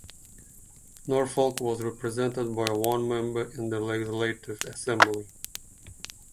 Norfolk was represented by one member in the Legislative Assembly.